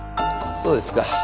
そうですか。